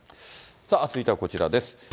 続いてはこちらです。